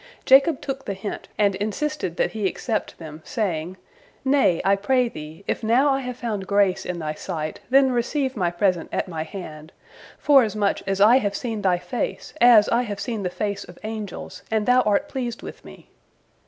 Jacob took the hint, and insisted that he accept them, saying: "Nay, I pray thee, if now I have found grace in thy sight, then receive my present at my hand, forasmuch as I have seen thy face, as I have seen the face of angels, and thou art pleased with me."